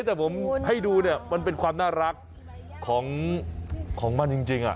แต่ผมให้ดูเนี่ยมันเป็นความน่ารักของมันจริง